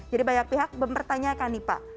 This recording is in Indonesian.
jadi banyak pihak mempertanyakan nih pak